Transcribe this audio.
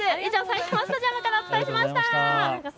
埼玉スタジアムからお伝えしました。